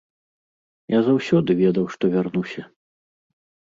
Я заўсёды ведаў, што вярнуся.